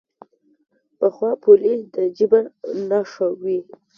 پخوا پولې د جبر نښه وې.